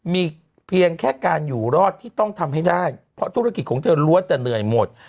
มีเพียงแค่การอยู่รอดที่ต้องทำให้ได้เพราะธุรกิจของเธอล้วนแต่เหนื่อยหมด